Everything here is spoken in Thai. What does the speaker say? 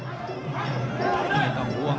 ไม่ต้องห่วง